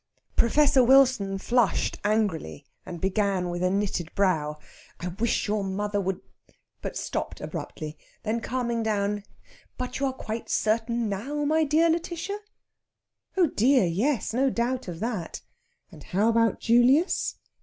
Professor Wilson flushed angrily, and began with a knitted brow, "I wish your mother would " but stopped abruptly. Then, calming down: "But you are quite certain now, my dear Lætitia?" Oh dear, yes; no doubt of that. And how about Julius?